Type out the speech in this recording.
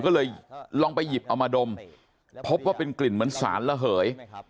ก็เลยลองไปหยิบเอามาดมพบว่าเป็นกลิ่นเหมือนสารระเหย